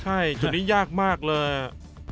ใช่จุดนี้ยากมากเลย